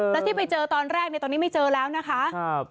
แล้วที่ไปเจอตอนแรกในตอนนี้ไม่เจอแล้วนะคะ